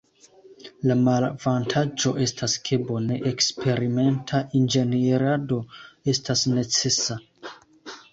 La malavantaĝo estas ke bone eksperimenta inĝenierado estas necesa.